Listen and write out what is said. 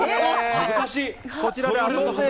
恥ずかしい。